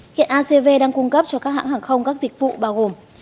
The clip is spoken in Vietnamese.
hiện acv đang cung cấp cho các hãng hàng không các dịch vụ bao gồm